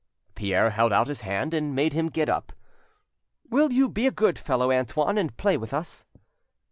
Pierre held out his hand and made him get up. "Will you be a good fellow, Antoine, and play with us?"